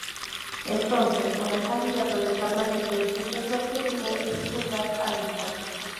Entonces una candidata del parlamento dijo que "Su objetivo es insultar al Islam".